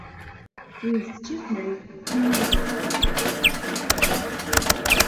"Tu jest cieplej i niebo takie ładne."